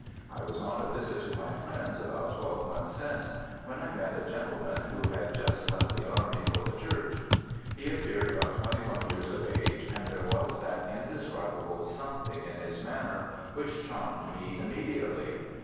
I was on a visit to my friends about twelve months since, when I met a gentleman who had just left the army for the church. He appeared about 21 years of age, and there was that indescribable something in his manner which charmed me immediately.